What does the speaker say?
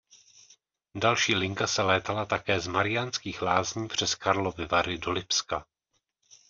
Další linka se létala také z Mariánských Lázních přes Karlovy Vary do Lipska.